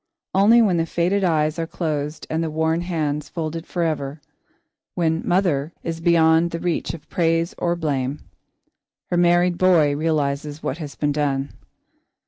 Only when the faded eyes are closed and the worn hands folded forever; when "mother" is beyond the reach of praise or blame, her married boy realises what has been done.